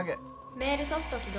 メールソフト起動。